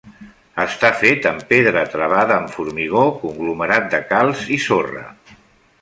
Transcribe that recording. Està fet amb pedra travada amb formigó, conglomerat de calç i sorra.